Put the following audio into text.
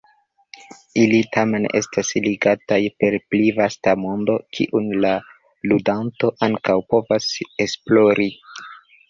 Ili tamen estas ligataj per pli vasta mondo, kiun la ludanto ankaŭ povas esplori.